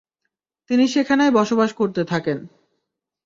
তিনি সেখানেই বসবাস করতে থাকেন।